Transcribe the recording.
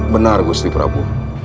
benar gusti prabu